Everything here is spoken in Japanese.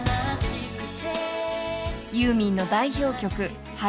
［ユーミンの代表曲］